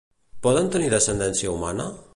Poden tenir descendència humana?